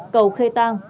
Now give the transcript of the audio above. cầu khê tang